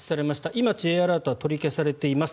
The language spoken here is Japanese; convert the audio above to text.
今、Ｊアラートは取り消されています。